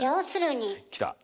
きた！